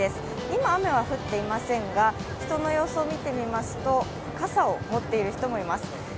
今雨は降っていませんが人の様子を見てみますと、傘を持っている人もいます。